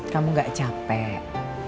kamu gak capek